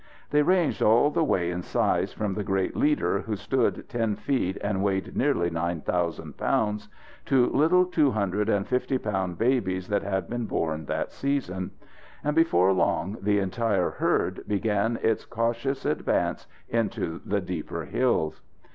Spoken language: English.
They ranged all the way in size from the great leader, who stood ten feet and weighed nearly nine thousand pounds, to little two hundred and fifty pound babies that had been born that season. And before long the entire herd began its cautious advance into the deeper hills.